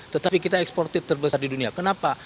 tetapi kita ekspor tip terbesar di dunia kenapa